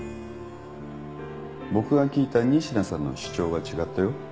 僕が聞いた仁科さんの主張は違ったよ。